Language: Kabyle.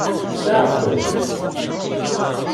Tceɛfemt?